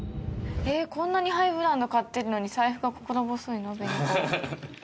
こんなにハイブランド買ってるのに財布が心細いの？